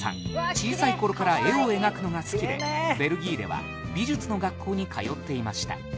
小さい頃から絵を描くのが好きでベルギーでは美術の学校に通っていました